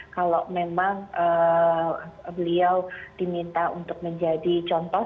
kalau memang beliau diminta untuk menjadi contoh